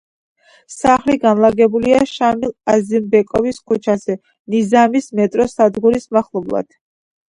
სახლი განლაგებულია შამილ აზიზბეკოვის ქუჩაზე, ნიზამის მეტროს სადგურის მახლობლად.